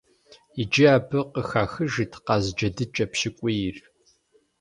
Иджы абы къыхэхыжыт къаз джэдыкӀэ пщыкӀуийр.